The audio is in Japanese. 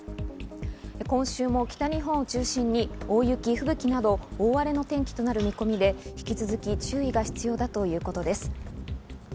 今週も北日本を中心に大雪、吹雪など大荒れの天気となる見込みで、引き続き注意が必要だということです。